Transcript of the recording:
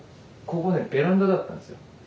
ここねベランダだったんですよ。